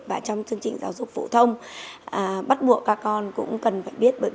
và trong chương trình giáo dục phổ thông bắt buộc các con cũng cần phải biết